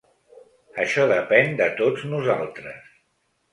Això depèn de tots nosaltres.